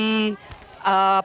pengusaha pemasaran yang kami belikan